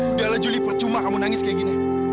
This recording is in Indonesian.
udah lah julie percuma kamu nangis kayak gini